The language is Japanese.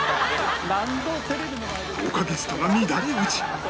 豪華ゲストが乱れ打ち！